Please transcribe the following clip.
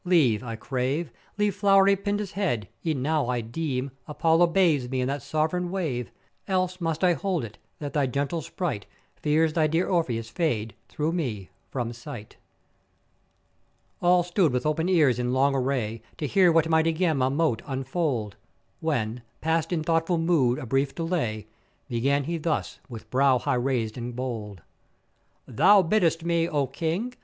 Leave, I crave, leave flow'ry Pindus head; e'en now I deem Apollo bathes me in that sovran wave; else must I hold it, that thy gentle sprite, fears thy dear Orpheus fade through me from sight. All stood with open ears in long array to hear what mighty Gama mote unfold; when, past in thoughtful mood a brief delay, began he thus with brow high raised and bold: "Thou biddest me, O King!